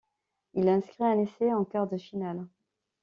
Il inscrit un essai en quart de finale.